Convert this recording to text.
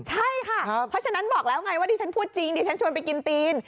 ใช่ค่ะเพราะฉะนั้นบอกแล้วไงว่าดิฉันพูดจริงดิฉันชวนไปกินตีน